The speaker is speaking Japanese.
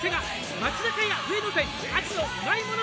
「松坂屋上野店秋のうまいもの